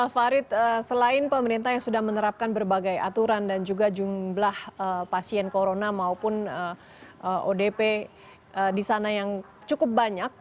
farid selain pemerintah yang sudah menerapkan berbagai aturan dan juga jumlah pasien corona maupun odp di sana yang cukup banyak